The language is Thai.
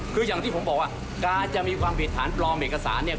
คืออย่างที่ผมบอกว่าการจะมีความผิดฐานปลอมเอกสารเนี่ย